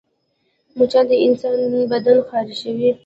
مچان د انسان بدن خارشوي